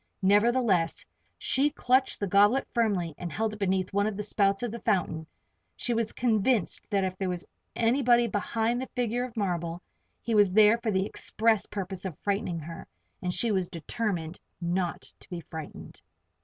Nevertheless, she clutched the goblet firmly and held it beneath one of the spouts of the fountain. She was convinced that if there was anybody behind the figure of marble, he was there for the express purpose of frightening her and she was determined not to be frightened.